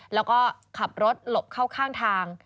แล้วก็ขับรถหลบเข้าข้างทาง